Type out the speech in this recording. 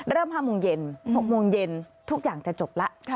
เริ่ม๕โมงเย็น๖โมงเย็นทุกอย่างจะจบละ